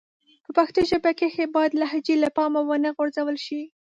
په پښتو ژبه کښي بايد لهجې له پامه و نه غورځول سي.